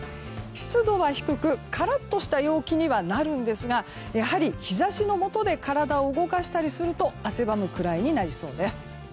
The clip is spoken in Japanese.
湿度は低くカラッとした陽気にはなるんですがやはり日差しのもとで体を動かしたりすると汗ばむくらいになりそうです。